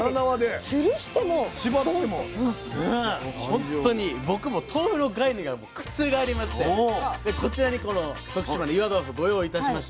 本当に僕も豆腐の概念が覆りましてこちらにこの徳島の岩豆腐ご用意いたしました。